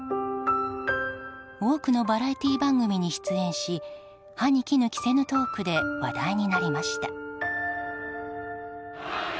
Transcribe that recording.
多くのバラエティー番組に出演し歯に衣着せぬトークで話題になりました。